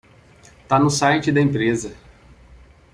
Tá no site da empresa